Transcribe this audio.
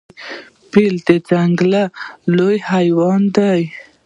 فیل د ځنګل لوی حیوان دی.